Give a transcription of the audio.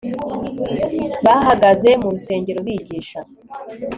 bahagaze mu rusengero bigisha